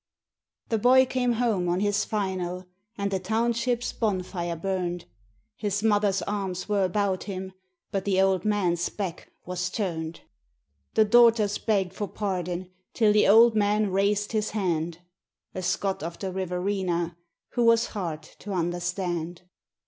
The boy came home on his "final", and the township's bonfire burned. His mother's arms were about him; but the old man's back was turned. The daughters begged for pardon till the old man raised his hand A Scot of the Riverina who was hard to understand.